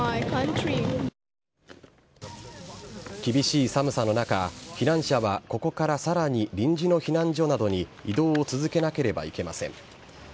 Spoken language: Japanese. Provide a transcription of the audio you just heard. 厳しい寒さの中、避難者はここからさらに臨時の避難所などに移動を続けなければいけません。